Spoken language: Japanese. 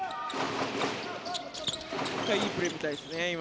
もう１回いいプレー見たいですね。